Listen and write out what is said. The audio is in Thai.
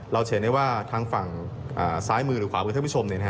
เราจะเห็นได้ว่าทางฝั่งซ้ายมือหรือขวามือท่านผู้ชม